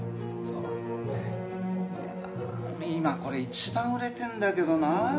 今これ一番売れてんだけどなぁ。